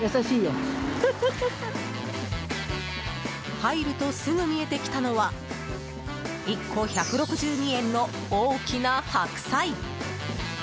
入るとすぐ見えてきたのは１個１６２円の大きな白菜。